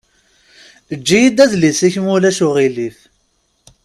Eǧǧ-iyi-d adlis-ik ma ulac aɣilif.